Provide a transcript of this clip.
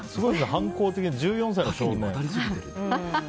反抗的な１４歳の少年。